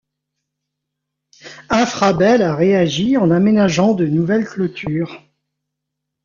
Infrabel a réagi en aménageant de nouvelles clôtures.